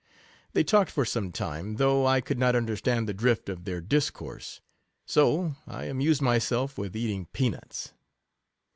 They talked for some time, though I could not un derstand the drift of their discourse, so I amused myself with eating pea nuts.